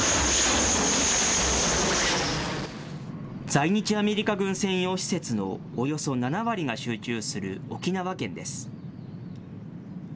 在日アメリカ軍専用施設のおよそ７割が集中する沖縄県です。